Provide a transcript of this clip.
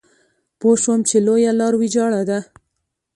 پوه شوم چې لویه لار ويجاړه ده.